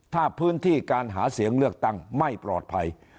ถ้าพื้นที่การหาเสียงเลือกตั้งไม่ปลอดภัย